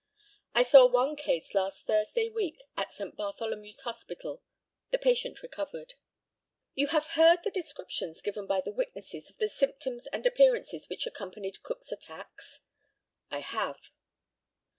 I saw one case last Thursday week at St. Bartholomew's Hospital. The patient recovered. You have heard the descriptions given by the witnesses of the symptoms and appearances which accompanied Cook's attacks? I have.